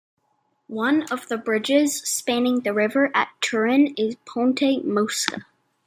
One of the bridges spanning the river at Turin is Ponte Mosca.